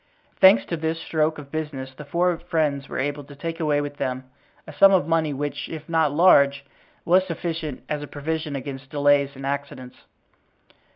Thanks to this stroke of business the four friends were able to take away with them a sum of money which, if not large, was sufficient as a provision against delays and accidents.